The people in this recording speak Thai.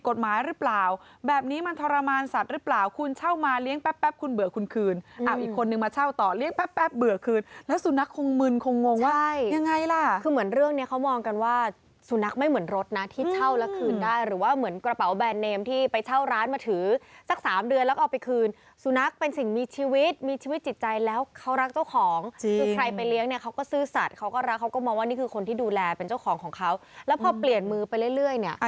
คือเหมือนเรื่องนี้เขามองกันว่าสุนัขไม่เหมือนรถนะที่เช่าแล้วคืนได้หรือว่าเหมือนกระเป๋าแบนเนมที่ไปเช่าร้านมาถือสัก๓เดือนแล้วก็เอาไปคืนสุนัขเป็นสิ่งมีชีวิตมีชีวิตจิตใจแล้วเขารักเจ้าของคือใครไปเลี้ยงเขาก็ซื้อสัตว์เขาก็รักเขาก็มองว่านี่คือคนที่ดูแลเป็นเจ้าของของเขาแล้วพอเปลี่ยนมือไปเร